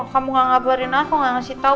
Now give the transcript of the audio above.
kamu gak ngabarin aku gak ngasih tau